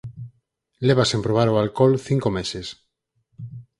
Leva sen probar o alcol cinco meses.